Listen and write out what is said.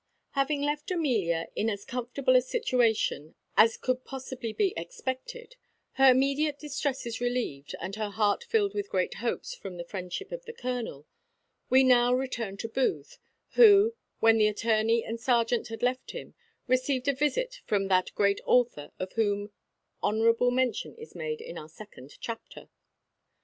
_ Having left Amelia in as comfortable a situation as could possibly be expected, her immediate distresses relieved, and her heart filled with great hopes from the friendship of the colonel, we will now return to Booth, who, when the attorney and serjeant had left him, received a visit from that great author of whom honourable mention is made in our second chapter.